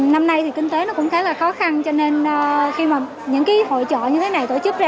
năm nay thì kinh tế nó cũng khá là khó khăn cho nên khi mà những cái hội trợ như thế này tổ chức ra